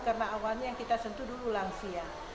karena awalnya yang kita sentuh dulu langsia